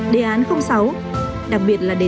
đề án sáu đặc biệt là đề tài